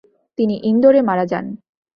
তিনি ইন্দোরে মারা যান।